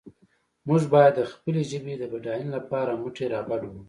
موږ باید د خپلې ژبې د بډاینې لپاره مټې رابډ وهو.